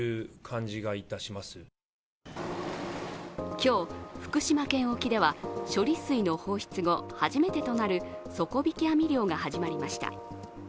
今日、福島県沖では処理水の放出後、初めてとなる底引き網漁が始まりました。